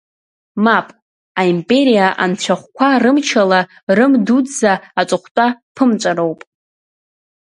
Мап, аимпериа анцәахәқәа рымчала Рым Дуӡӡа аҵыхәтәа ԥымҵәароуп!